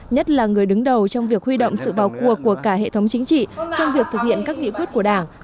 nhất là người đứng đầu trong việc huy động sự vào cuộc của cả hệ thống chính trị trong việc thực hiện các nghị quyết của đảng